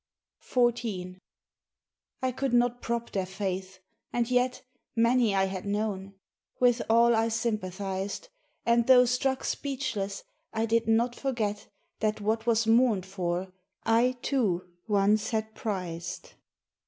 XIV I could not prop their faith: and yet Many I had known: with all I sympathized; And though struck speechless, I did not forget That what was mourned for, I, too, once had prized.